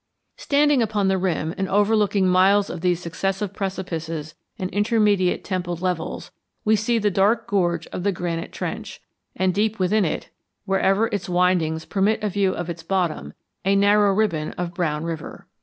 Standing upon the rim and overlooking miles of these successive precipices and intermediate templed levels, we see the dark gorge of the granite trench, and, deep within it, wherever its windings permit a view of its bottom, a narrow ribbon of brown river.